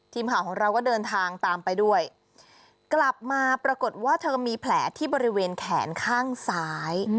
ทีมข่าวของเราก็เดินทางตามไปด้วยกลับมาปรากฏว่าเธอมีแผลที่บริเวณแขนข้างซ้าย